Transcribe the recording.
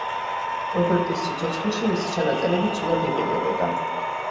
რობერტის სიცოცხლეში მისი ჩანაწერები ცუდად იყიდებოდა.